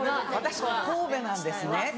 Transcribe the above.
私は神戸なんですね。